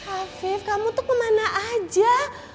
hafif kamu tuh kemana aja